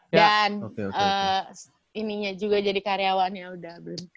dan ininya juga jadi karyawannya udah